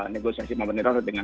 negosiasi pemerintah dengan